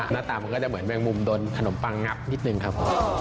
หน้าตามันก็จะเหมือนแมงมุมโดนขนมปังงับนิดนึงครับผม